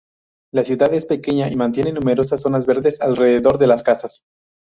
La ciudad es pequeña y mantiene numerosas zonas verdes alrededor de las casas.